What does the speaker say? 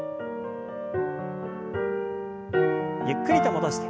ゆっくりと戻して。